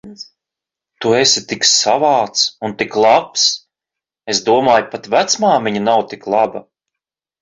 Tu esi tik savāds un tik labs. Es domāju, pat vecmāmiņa nav tik laba.